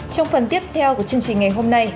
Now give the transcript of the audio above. trong phần tiếp theo của chương trình ngày hôm nay